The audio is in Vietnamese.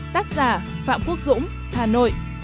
tác giả phạm quốc dũng hà nội